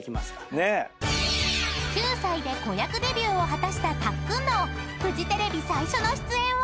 ［９歳で子役デビューを果たしたタックンのフジテレビ最初の出演は？］